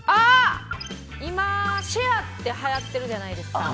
今、シェアってはやってるじゃないですか。